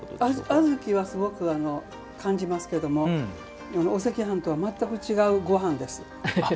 小豆はすごく感じますけどもお赤飯とは全く違うごはんです。